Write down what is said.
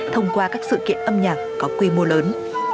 thông qua các sự kiện âm nhạc có quy mô lớn